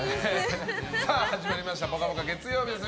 始まりました「ぽかぽか」月曜日です。